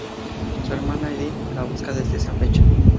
Su hermana, Edith, la busca desde esa fecha.